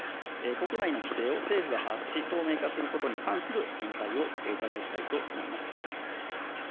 国内の規制を政府が把握し、透明化することに関する見解をお伺いしたいと思います。